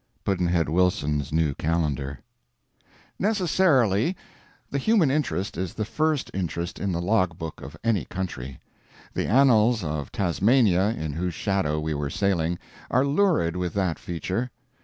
Pudd'nhead Wilson's New Calendar. Necessarily, the human interest is the first interest in the log book of any country. The annals of Tasmania, in whose shadow we were sailing, are lurid with that feature.